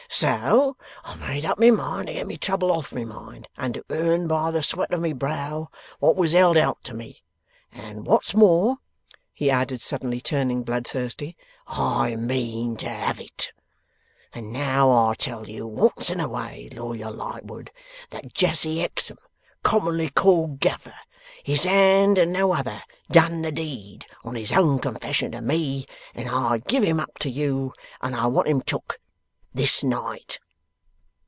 'So I made up my mind to get my trouble off my mind, and to earn by the sweat of my brow what was held out to me. And what's more,' he added, suddenly turning bloodthirsty, 'I mean to have it! And now I tell you, once and away, Lawyer Lightwood, that Jesse Hexam, commonly called Gaffer, his hand and no other, done the deed, on his own confession to me. And I give him up to you, and I want him took. This night!